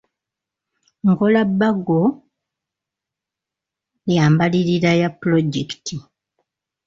Nkola bbago lya mbalirira ya pulojekiti.